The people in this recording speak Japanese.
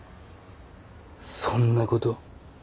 そんなこと？